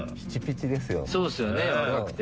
そうっすよね若くて。